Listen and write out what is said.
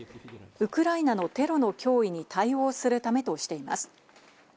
ウクライナのテロの脅威に対応するためとしています。